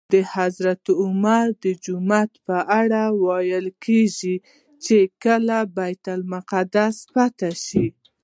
د حضرت عمر جومات په اړه ویل کېږي چې کله بیت المقدس فتح شو.